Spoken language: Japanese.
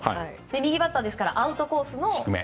右バッターですからアウトコース